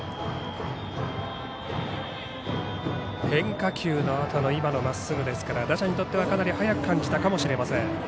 変化球のあとの今のまっすぐですから打者にとってはかなり速く感じたかもしれません。